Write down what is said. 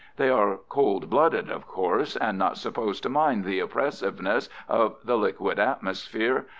They are cold blooded, of course, and not supposed to mind the oppressiveness of the liquid atmosphere.